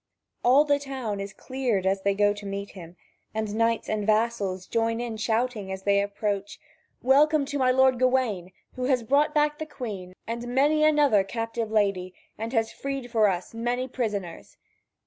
All the town is cleared as they go to meet them, and knights and vassals join in shouting as they approach: "Welcome to my lord Gawain, who has brought back the Queen and many another captive lady, and has freed for us many prisoners!"